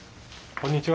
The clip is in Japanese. こんにちは。